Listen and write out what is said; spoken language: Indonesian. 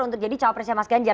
untuk jadi cawapresnya mas ganjar